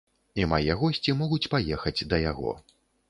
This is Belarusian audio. І мае госці могуць паехаць да яго.